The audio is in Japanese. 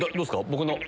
僕の。